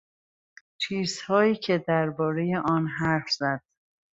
چیزهایی که دربارهی آن حرف زد.